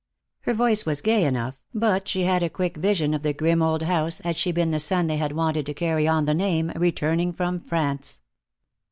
Her voice was gay enough, but she had a quick vision of the grim old house had she been the son they had wanted to carry on the name, returning from France.